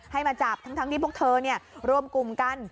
ให้มาจับทั้งที่พวกเธอรวมกลุ่มกัน